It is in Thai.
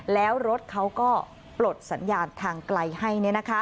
แล้วรถเขาก็ปลดสัญญาณทางไกลให้